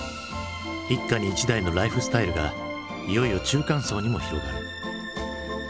一家に一台のライフスタイルがいよいよ中間層にも広がる。